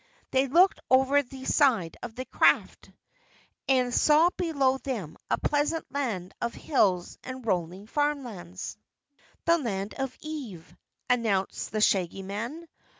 They looked over the side of the craft and saw below them a pleasant land of hills and rolling farmlands. "The Land of Ev," announced the Shaggy Man.